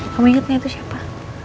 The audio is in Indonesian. kamu inget gak itu siapa